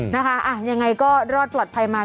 นะคะยังไงก็รอดปลอดภัยมา